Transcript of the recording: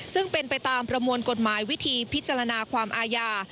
ซึ่งเป็นไปตามประมวลกฎหมายวิธีพิจารณาความอาญา